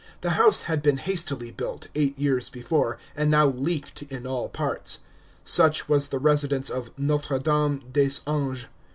The house had been hastily built, eight years before, and now leaked in all parts. Such was the Residence of Notre Dame des Anges.